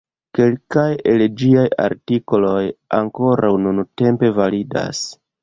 Kelkaj el ĝiaj artikoloj ankoraŭ nuntempe validas.